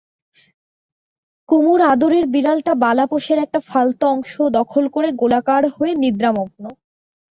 কুমুর আদরের বিড়ালটা বালাপোশের একটা ফালতো অংশ দখল করে গোলাকার হয়ে নিদ্রামগ্ন।